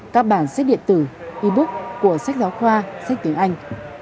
các bản sách điện tử e book của sách giáo khoa sách tiếng anh